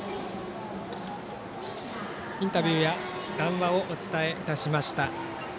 インタビューや談話をお伝えいたしました。